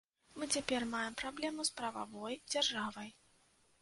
Мы цяпер маем праблему з прававой дзяржавай.